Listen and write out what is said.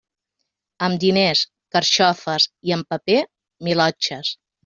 Amb diners, carxofes, i amb paper, milotxes.